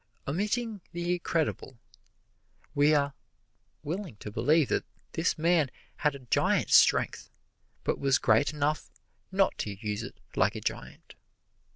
Omitting the incredible, we are willing to believe that this man had a giant's strength, but was great enough not to use it like a giant.